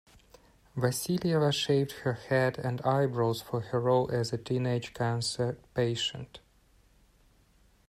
Vassilieva shaved her head and eyebrows for her role as a teenage cancer patient.